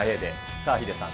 さあヒデさん、